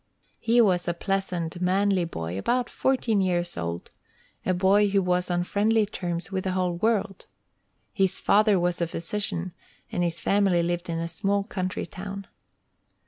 He was a pleasant, manly boy, about fourteen years old, a boy who was on friendly terms with the whole world. His father was a physician, and his family lived in a small country town.